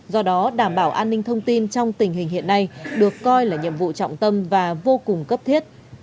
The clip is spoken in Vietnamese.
do đó đảm bảo an ninh thông tin trong tình hình hiện nay được coi là nhiệm vụ trọng tâm và vô cùng cấp thiết